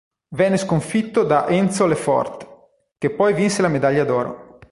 Venne sconfitto da Enzo Lefort, che poi vinse la medaglia d'oro.